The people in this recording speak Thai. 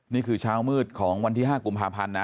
นี่คือเช้ามืดของวันที่๕กุมภาพันธ์นะ